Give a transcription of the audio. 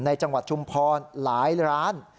จังหวัดชุมพรหลายร้าน